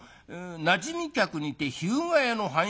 なじみ客にて日向屋の半七』。